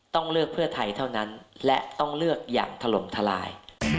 ต้องเลือกเพื่อไทยเท่านั้นและต้องเลือกอย่างถล่มทลาย